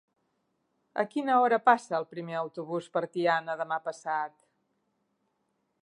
A quina hora passa el primer autobús per Tiana demà passat?